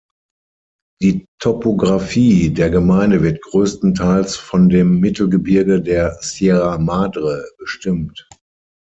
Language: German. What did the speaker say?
Die Topographie der Gemeinde wird größtenteils von dem Mittelgebirge der Sierra Madre bestimmt.